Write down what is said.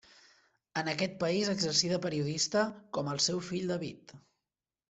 En aquest país exercí de periodista com el seu fill David.